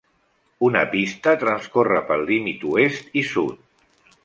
Una pista transcorre pel límit oest i sud.